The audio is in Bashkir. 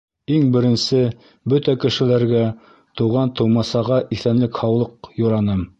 — Иң беренсе, бөтә кешеләргә, туған-тыумасаға иҫәнлек-һаулыҡ юраным.